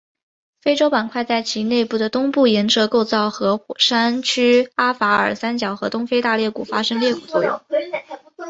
非洲板块在其内部的东部沿着构造和火山活动区阿法尔三角和东非大裂谷发生裂谷作用。